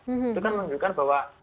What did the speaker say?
itu kan menunjukkan bahwa